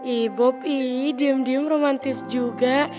ihh bob ihh diem diem romantis juga